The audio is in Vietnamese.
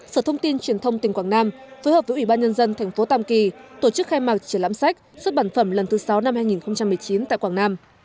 sở thông tin truyền thông tỉnh quảng nam phối hợp với ủy ban nhân dân tp tàm kỳ tổ chức khai mạc triển lãm sách xuất bản phẩm lần thứ sáu năm hai nghìn một mươi chín tại quảng nam